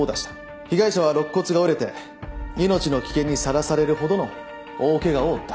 被害者は肋骨が折れて命の危険にさらされるほどの大ケガを負った。